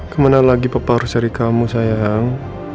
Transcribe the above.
kemana lagi pepah seri kamu sayang